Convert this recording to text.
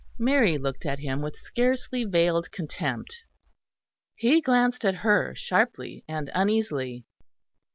Mary looked at him with scarcely veiled contempt. He glanced at her sharply and uneasily.